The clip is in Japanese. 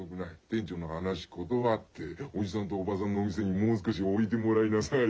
店長の話ことわっておじさんとおばさんのお店にもう少しおいてもらいなさい。